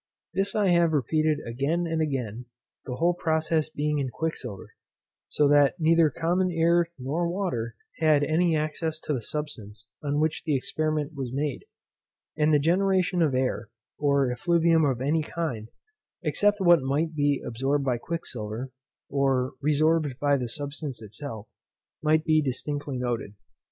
This I have repeated again and again, the whole process being in quicksilver; so that neither common air nor water, had any access to the substance on which the experiment was made; and the generation of air, or effluvium of any kind, except what might be absorbed by quicksilver, or resorbed by the substance itself, might be distinctly noted.